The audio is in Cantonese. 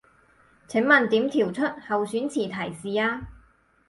請問點調出候選詞提示啊